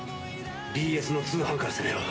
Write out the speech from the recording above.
ＢＳの通販から攻めろ。